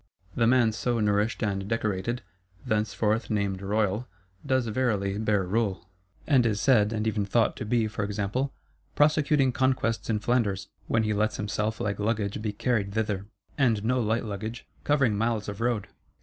The man so nourished and decorated, thenceforth named royal, does verily bear rule; and is said, and even thought, to be, for example, "prosecuting conquests in Flanders," when he lets himself like luggage be carried thither: and no light luggage; covering miles of road.